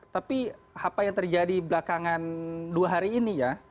tapi apa yang terjadi belakangan dua hari ini ya